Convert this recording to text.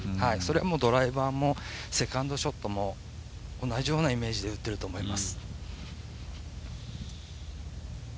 ドライバーもセカンドショットも同じようなイメージで打っていると思います。